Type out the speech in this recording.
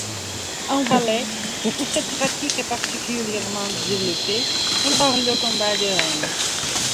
En Valais, où cette pratique est particulièrement développée, on parle de combat de reines.